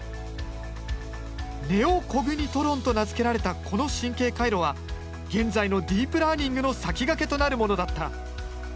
ネオコグニトロンと名付けられたこの神経回路は現在のディープラーニングの先駆けとなるものだった。